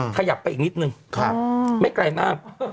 ขยับไปอีกนิดนึงไม่ไกลมาก